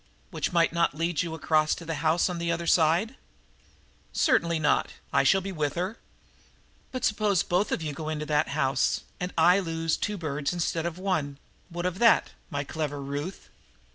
"Which might not lead you across to the house on the other side?" "Certainly not! I shall be with her." "But suppose both of you go into that house, and I lose two birds instead of one? What of that, my clever Ruth?"